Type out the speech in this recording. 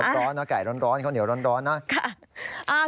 ร้อนนะไก่ร้อนข้าวเหนียวร้อนนะ